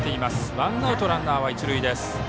ワンアウトランナー、一塁です。